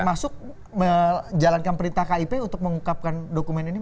termasuk menjalankan perintah kip untuk mengungkapkan dokumen ini